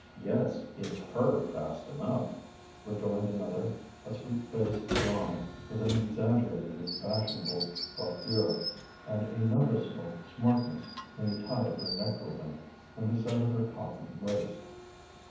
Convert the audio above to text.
"Yes, it's her fast enough," rejoined another, a sweet faced blonde with an exaggeratedly fashionable coiffure and a noticeable smartness in the tie of her neck ribbon and the set of her cotton waist.